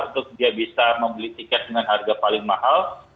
untuk dia bisa membeli tiket dengan harga paling mahal